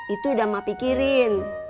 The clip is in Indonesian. itu sudah saya pikirkan